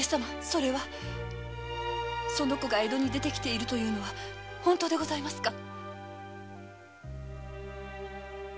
それはその子が江戸に来ているというのは本当でございますか？